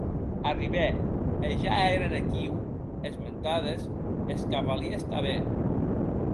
Arribè, e ja èren aquiu es mentades e es cavalièrs tanben.